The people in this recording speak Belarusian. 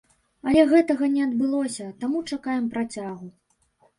Але гэтага не адбылося, таму чакаем працягу.